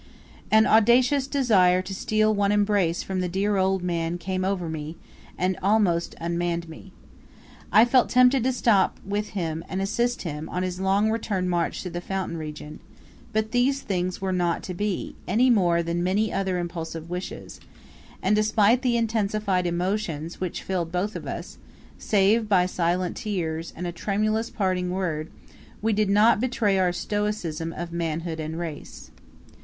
An audacious desire to steal one embrace from the dear old man came over me, and almost unmanned me. I felt tempted to stop with him and assist him, on his long return march to the fountain region, but these things were not to be, any more than many other impulsive wishes, and despite the intensified emotions which filled both of us, save by silent tears, and a tremulous parting word, we did not betray our stoicism of manhood and race.